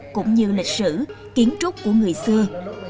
cũng như lịch sử kiến trúc của người xưa